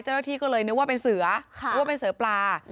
เจ้าหน้าที่ก็เลยนึกว่าเป็นเสือนึกว่าเป็นเสือปลา